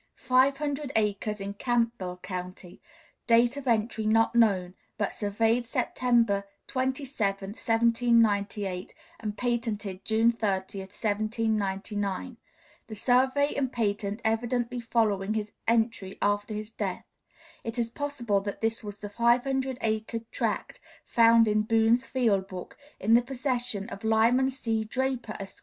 Five hundred acres in Campbell County, date of entry not known, but surveyed September 27, 1798, and patented June 30, 1799 the survey and patent evidently following his entry after his death. It is possible that this was the five hundred acre tract found in Boone's field book, in the possession of Lyman C. Draper, Esq.